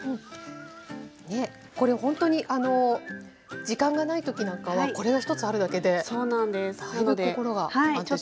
これ本当に時間がない時なんかはこれが１つあるだけでだいぶ心が安定します。